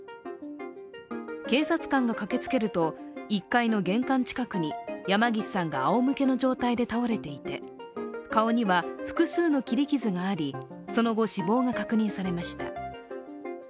警察官が駆けつけると、１階の玄関近くに山岸さんがあおむけの状態で倒れていて顔には複数の切り傷があり、その後死亡が確認されました。